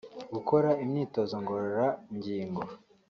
gukora imyitozo ngororangingo